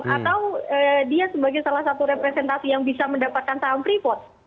atau dia sebagai salah satu representasi yang bisa mendapatkan saham freeport